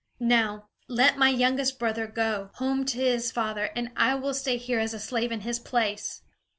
Now let my youngest brother go home to his father, and I will stay here as a slave in his place!"